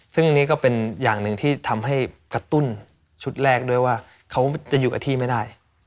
ซึ่งนี่ก็เป็นอย่างหนึ่งที่ทำให้กระตุ้นชุดแรกด้วยว่าเขาจะอยู่กับที่ไม่ได้